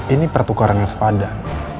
ini pertukarannya sepadan